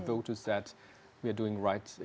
pekerjaan yang tinggi